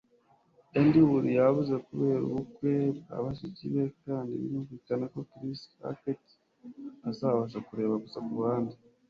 Andy Woolley yabuze kubera ubukwe bwa bashiki be kandi birumvikana ko Chris Hackett azabasha kureba gusa kuruhande.